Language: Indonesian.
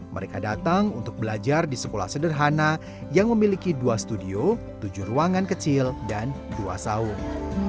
mereka datang untuk belajar di sekolah sederhana yang memiliki dua studio tujuh ruangan kecil dan dua saung